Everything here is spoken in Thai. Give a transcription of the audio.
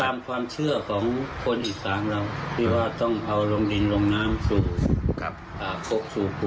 ตามความเชื่อของคนอิสังเราว่าต้องเอาลงดินลงน้ำสู่ครับคอกสูครุม